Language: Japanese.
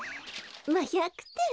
まあ１００てん。